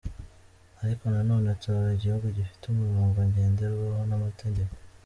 Ariko na none tuzaba igihugu gifite umurongo ngenderwaho n’amategeko.